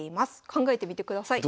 考えてみてください。